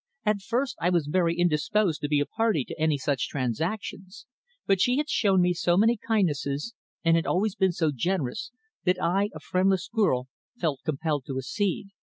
"At first I was very indisposed to be a party to any such transaction, but she had shown me so many kindnesses, and had always been so generous, that I, a friendless girl, felt compelled to accede.